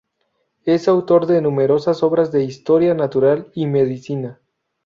Es autor de numerosas obras de historia natural y medicina.